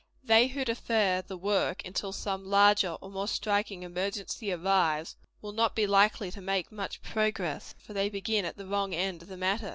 They who defer the work till some larger or more striking emergency arrives, will not be likely to make much progress; for they begin at the wrong end of the matter.